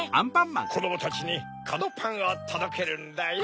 こどもたちにこのパンをとどけるんだよ。